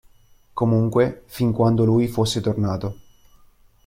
Comunque, fin quando lui fosse tornato.